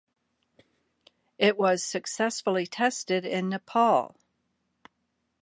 It was successfully tested in Nepal.